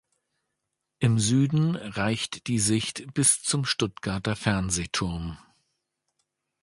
Im Süden reicht die Sicht bis zum Stuttgarter Fernsehturm.